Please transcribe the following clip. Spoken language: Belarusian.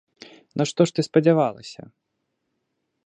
На што ж ты спадзявалася?